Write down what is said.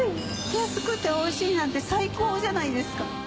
安くておいしいなんて最高じゃないですか。